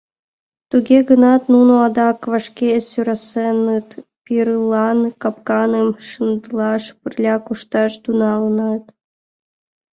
Туге гынат нуно адак вашке сӧрасеныт, пирылан капканым шындылаш пырля кошташ тӱҥалыныт.